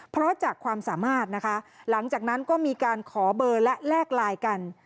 เพราะจากความสามารถนะคะหลังจากนั้นก็มีการขอเบอร์และแลกไลน์กัน